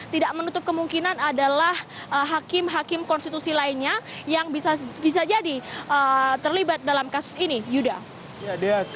tidak menutup kemungkinan adalah hakim hakim konstitusi lainnya yang bisa jadi terlibat dalam kasus ini yuda